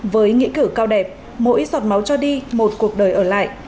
với nghĩa cử cao đẹp mỗi giọt máu cho đi một cuộc đời ở lại